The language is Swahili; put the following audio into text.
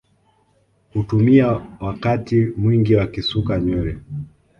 Hutumia wakati mwingi wakisuka nywele